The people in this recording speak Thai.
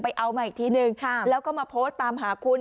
เอามาอีกทีนึงแล้วก็มาโพสต์ตามหาคุณ